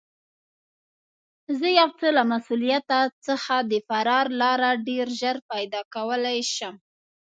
زه یو څه له مسوولیته څخه د فرار لاره ډېر ژر پیدا کولای شم.